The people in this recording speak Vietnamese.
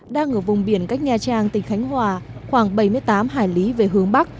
đang ở vùng biển cách nha trang tỉnh khánh hòa khoảng bảy mươi tám hải lý về hướng bắc